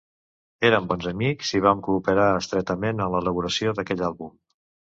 Érem bons amics i vam cooperar estretament en l'elaboració d'aquell àlbum.